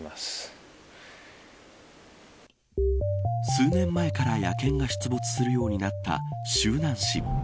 数年前から野犬が出没するようになった周南市。